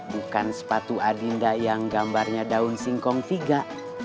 bukan sepatu adinda yang gambarnya daun singkong tiga